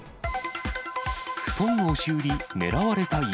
布団押し売り、狙われた家。